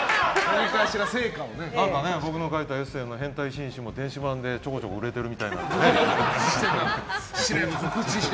僕の書いたエッセーも電子版でちょこちょこ売れているみたいなので。